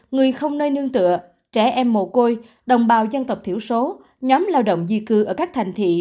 người không nơi nương tựa trẻ em mồ côi đồng bào dân tộc thiểu số nhóm lao động di cư ở các thành thị